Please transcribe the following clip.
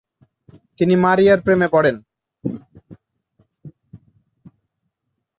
তিনি মারিয়ার প্রেমে পড়েন।